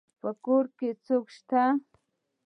په کور کي څوک سته.